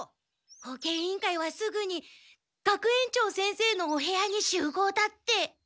保健委員会はすぐに学園長先生のお部屋に集合だって。